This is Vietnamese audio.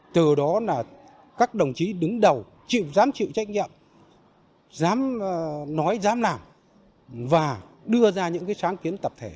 từ đó là các đồng chí đứng đầu dám chịu trách nhiệm dám nói dám làm và đưa ra những sáng kiến tập thể